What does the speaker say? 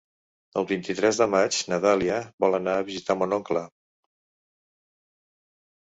El vint-i-tres de maig na Dàlia vol anar a visitar mon oncle.